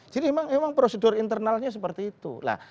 jadi memang prosedur internalnya seperti itu